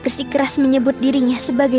bersikeras menyebut dirinya sebagai